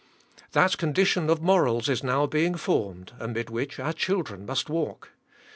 That condition of morals is now being formed, amid which our children must walk.